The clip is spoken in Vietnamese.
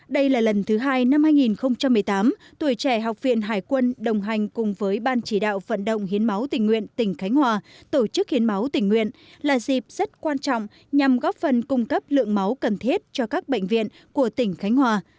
đây là lần thứ hai năm hai nghìn một mươi tám tuổi trẻ học viện hải quân đồng hành cùng với ban chỉ đạo vận động hiến máu tỉnh nguyện tỉnh khánh hòa tổ chức hiến máu tỉnh nguyện là dịp rất quan trọng nhằm góp phần cung cấp lượng máu cần thiết cho các bệnh viện của tỉnh khánh hòa